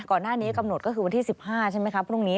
ก่อนหน้านี้กำหนดก็คือวันที่๑๕ใช่ไหมครับพรุ่งนี้